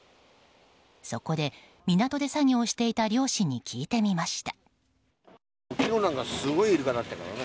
そこで、港で作業していた漁師に聞いてみました。